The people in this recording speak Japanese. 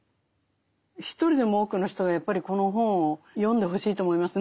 一人でも多くの人がやっぱりこの本を読んでほしいと思いますね。